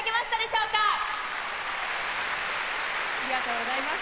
ありがとうございます。